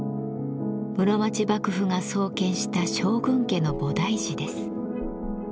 室町幕府が創建した将軍家の菩提寺です。